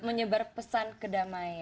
menyebar pesan kedamaian